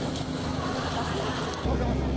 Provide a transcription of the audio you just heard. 出せますよ。